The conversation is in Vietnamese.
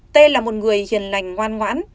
tê là một người hiền lành ngoan ngoãn